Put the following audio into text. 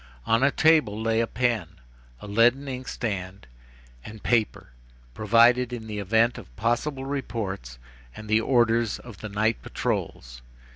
On a table lay a pen, a leaden inkstand and paper, provided in the event of possible reports and the orders of the night patrols.